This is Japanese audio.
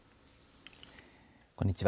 こんにちは。